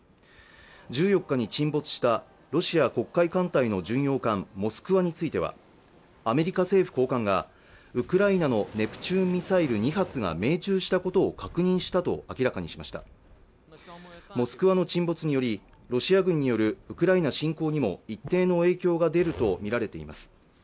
１４日に沈没したロシア黒海艦隊の巡洋艦「モスクワ」についてはアメリカ政府高官がウクライナのネプチューンミサイル２発が命中したことを確認したと明らかにしました「モスクワ」の沈没によりロシア軍によるウクライナ侵攻にも一定の影響が出ると見られています